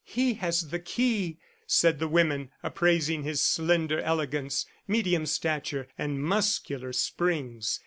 "He has the key," said the women, appraising his slender elegance, medium stature, and muscular springs.